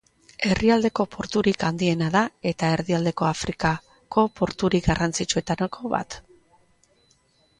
Herrialdeko porturik handiena da, eta Erdialdeko Afrikako porturik garrantzitsuenetako bat.